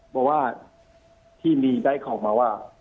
เพราะว่าที่มีได้ของมาว่า